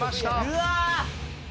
うわ！